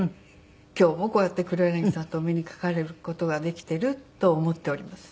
今日もこうやって黒柳さんとお目にかかれる事ができていると思っております。